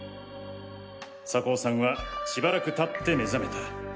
酒匂さんはしばらく経って目覚めた。